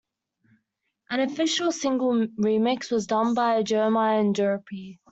An official single remix was done by Jermaine Dupri.